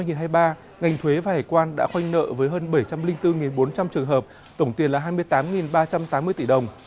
ngành thuế và hải quan đã khoanh nợ với hơn bảy trăm linh bốn bốn trăm linh trường hợp tổng tiền là hai mươi tám ba trăm tám mươi tỷ đồng